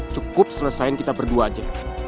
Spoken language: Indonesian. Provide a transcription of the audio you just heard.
cukup selesain kita berdua aja